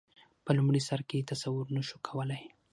په لومړي سر کې تصور نه شو کولای.